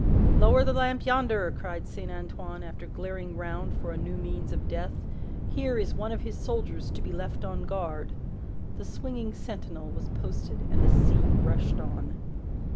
"Lower the lamp yonder!" cried Saint Antoine, after glaring round for a new means of death; "here is one of his soldiers to be left on guard!" The swinging sentinel was posted, and the sea rushed on.